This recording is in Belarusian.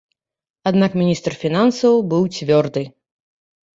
Аднак міністр фінансаў быў цвёрды.